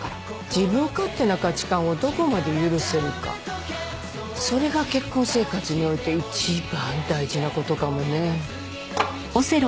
自分勝手な価値観をどこまで許せるかそれが結婚生活において一番大事な事かもね。